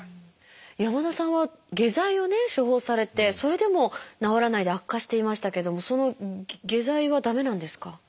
山田さんは下剤を処方されてそれでも治らないで悪化していましたけれどもその下剤は駄目なんですか？